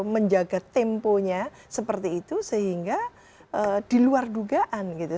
menjaga temponya seperti itu sehingga diluar dugaan gitu